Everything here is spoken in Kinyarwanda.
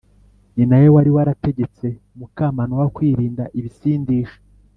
. Ni na we wari warategetse muka Manowa kwirinda ibisindisha